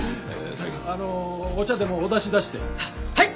西郷お茶でもお出し出してはい！